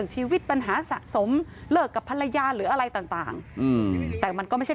ชีวิตปัญหาสะสมเลิกกับภรรยาหรืออะไรต่างแต่มันก็ไม่ใช่